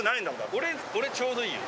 俺、ちょうどいいよ。